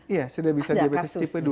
iya sudah bisa diabetes tipe dua